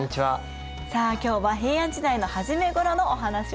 さあ今日は平安時代の初めごろのお話をしましょう。